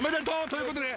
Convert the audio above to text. ということで。